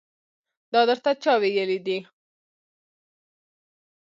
دا درته چا ويلي دي.